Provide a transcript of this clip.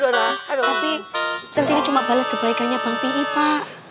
tapi cinti cuma bales kebaikannya bang pi pak